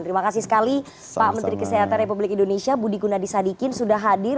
terima kasih sekali pak menteri kesehatan republik indonesia budi gunadisadikin sudah hadir